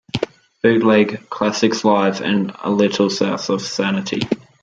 Bootleg", "Classics Live", and "A Little South of Sanity".